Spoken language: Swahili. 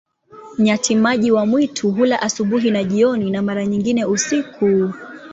Nyati-maji wa mwitu hula asubuhi na jioni, na mara nyingine usiku.